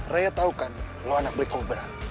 raya tau kan lo anak beli koba